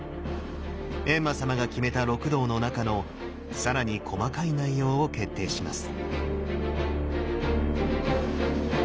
閻魔様が決めた六道の中の更に細かい内容を決定します。